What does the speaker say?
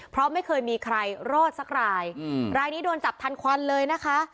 เพราะไม่เคยมีใครรอดสักรายรายนี้โดนจับทันควันเลยนะคะ